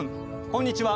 こんにちは。